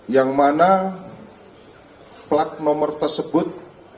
yang mana plat nomor tersebut